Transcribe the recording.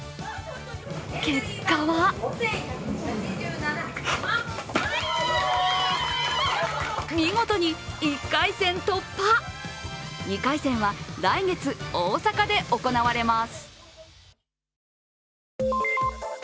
結果は見事に１回戦突破、２回戦は来月、大阪で行われます。